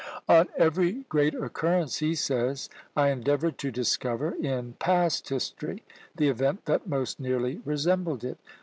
"On every great occurrence," he says, "I endeavoured to discover, in PAST HISTORY the event that most nearly resembled it.